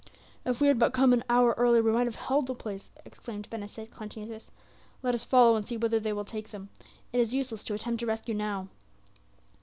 "If we had but come an hour earlier we might have held the place," exclaimed Ben Hesed clenching his fists. "Let us follow and see whither they will take them. It is useless to attempt a rescue now."